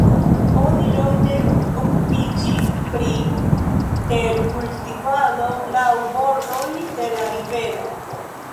Oni longe okupiĝis pri terkultivado laŭ bordoj de la rivero.